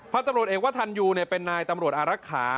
พระตำรวจเอกวัดทันยูเนี่ยเป็นนายตำรวจอารักษะ